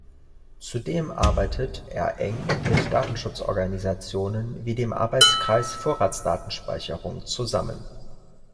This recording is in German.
Zudem arbeitet er eng mit Datenschutz-Organisationen wie dem Arbeitskreis Vorratsdatenspeicherung zusammen.